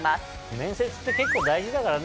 面接って結構大事だからね。